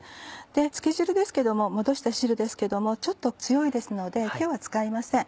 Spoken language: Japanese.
つけ汁ですけどももどした汁ですけどもちょっと強いですので今日は使いません。